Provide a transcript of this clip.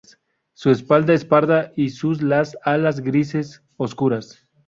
Su espalda es parda y sus las alas grises oscuras.